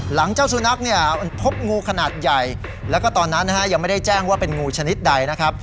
เจ้าสุนัขเนี่ยมันพบงูขนาดใหญ่แล้วก็ตอนนั้นนะฮะยังไม่ได้แจ้งว่าเป็นงูชนิดใดนะครับ